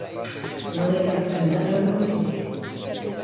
Modélica presentación do cociñeiro.